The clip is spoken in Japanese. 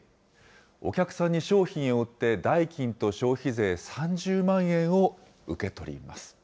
お客さんに商品を売って代金と消費税３０万円を受け取ります。